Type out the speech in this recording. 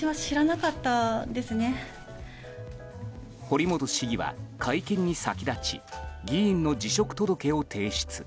堀本市議は会見に先立ち議員の辞職届を提出。